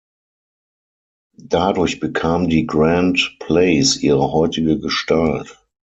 Dadurch bekam die Grand-Place ihre heutige Gestalt.